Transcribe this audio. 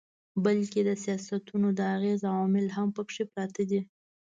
بلکي د سياستونو د اغېز عوامل هم پکښې پراته دي